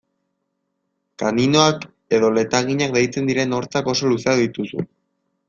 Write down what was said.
Kaninoak edo letaginak deitzen diren hortzak oso luzeak dituzu.